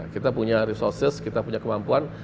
kita punya resources kita punya kemampuan